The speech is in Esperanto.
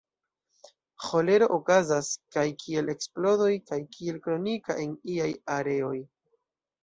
Ĥolero okazas kaj kiel eksplodoj kaj kiel kronika en iaj areoj.